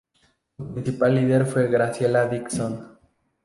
Su principal líder fue Graciela Dixon.